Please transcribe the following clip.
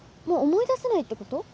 もう思い出せないってこと？